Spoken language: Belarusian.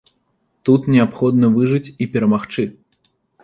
Тут неабходна выжыць і перамагчы.